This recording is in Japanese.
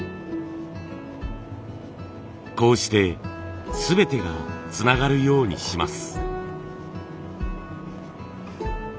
こうして全てがつながるようにします。